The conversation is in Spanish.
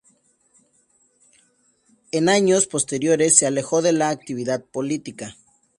En años posteriores se alejó de la actividad política.